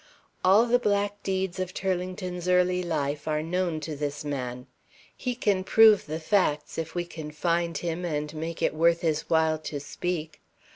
All the black deeds of Turlington's early life are known to this man. He can prove the facts, if we can find him, and make it worth his while to speak.